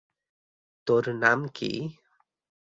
তোর নাম কি?